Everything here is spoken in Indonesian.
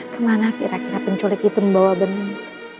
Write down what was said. kemana kira kira penculik itu membawa bening